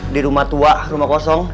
di rumah tua rumah kosong